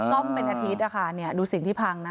ซ่อมเป็นอาทิตย์นะคะดูสิ่งที่พังนะ